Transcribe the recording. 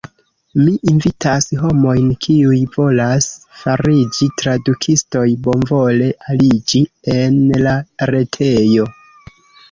Mi invitas homojn kiuj volas fariĝi tradukistoj bonvole aliĝi en la retejo.